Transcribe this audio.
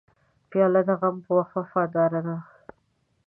پیاله د غم په وخت وفاداره ده.